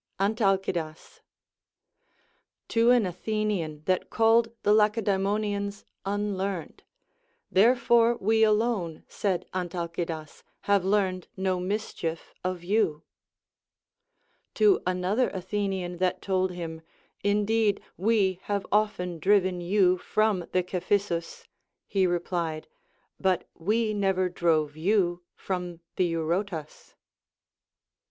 Antalcidas. To an Athenian that called the Lacedae monians unlearned, Therefore we alone, said Antalcidas, have learned no mischief of you. To another Athenian that told him. Indeed, we have often driven you from the Cephissus, he replied. But we neΛ'er drove you from the Eurotas.